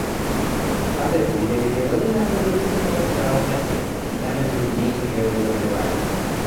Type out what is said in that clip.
От этой ядовитой воды на коже высыпала страшная сыпь, начинались другие серьезные заболевания.